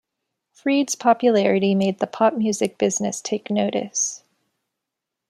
Freed's popularity made the pop music business take notice.